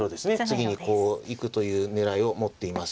次にこう行くという狙いを持っています。